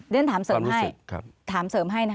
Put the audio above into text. เรียนถามเสริมให้